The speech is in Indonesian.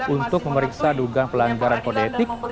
untuk memeriksa duga pelanggaran kodetik